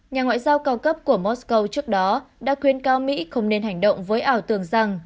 nhà ngoại giao cao cấp của moscow trước đó đã khuyến cáo mỹ không nên hành động với ảo tưởng rằng